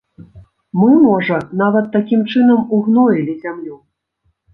Мы, можа, нават такім чынам ўгноілі зямлю.